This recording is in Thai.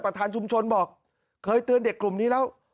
ชุมชนบอกเคยเตือนเด็กกลุ่มนี้แล้ว